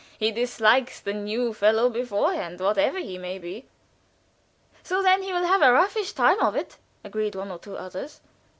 He dislikes the new fellow beforehand, whatever he may be." "So! Then he will have a roughish time of it!" agreed one or two others.